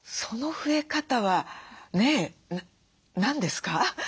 その増え方はね何ですか？